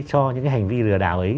cho những hành vi lừa đảo ấy